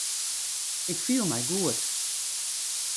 Ik fiel my goed.